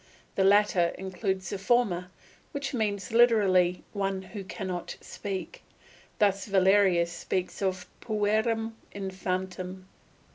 The latter includes the former, which means literally "one who cannot speak;" thus Valerius speaks of puerum infantem.